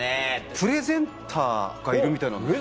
プレゼンターがいるみたいなんです。